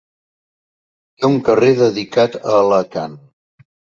Té un carrer dedicat a Alacant.